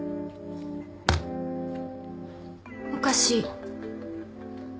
おかしい。